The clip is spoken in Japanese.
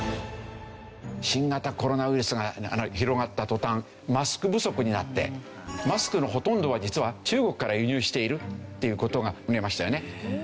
新型コロナウイルスが広がった途端マスク不足になってマスクのほとんどは実は中国から輸入しているっていう事がありましたよね。